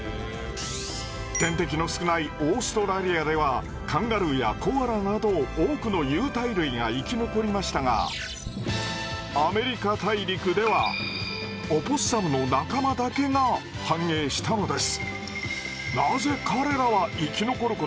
天敵の少ないオーストラリアではカンガルーやコアラなど多くの有袋類が生き残りましたがアメリカ大陸ではオポッサムの仲間だけが繁栄したのです。